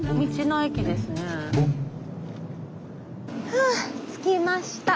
はあ着きました。